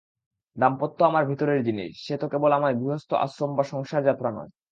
দাম্পত্য আমার ভিতরের জিনিস, সে তো কেবল আমার গৃহস্থ-আশ্রম বা সংসারযাত্রা নয়।